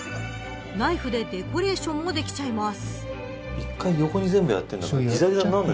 ナイフでデコレーションもできちゃいます。